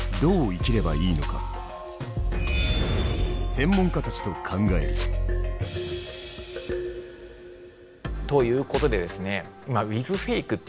専門家たちと考える。ということでですね